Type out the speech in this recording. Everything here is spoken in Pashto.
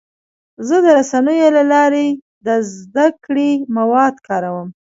زه د رسنیو له لارې د زده کړې مواد کاروم.